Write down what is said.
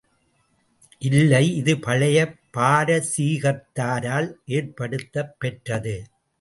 இல்லை, இது பழைய பாரசீகத்தாரால் ஏற்படுத்தப் பெற்றது.